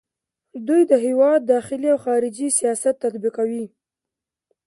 دوی د هیواد داخلي او خارجي سیاست تطبیقوي.